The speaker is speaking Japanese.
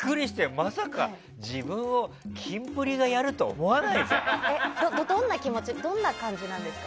まさか自分をキンプリがやるとはどんな感じなんですか？